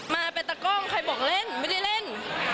มาเป็นตะกล้องใครบอกเล่นไม่ได้เล่น